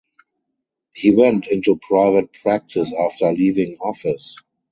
He went into private practice after leaving office.